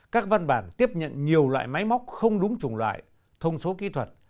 các văn bản tiếp nhận nhiều loại máy móc không đúng chủng loại thông số kỹ thuật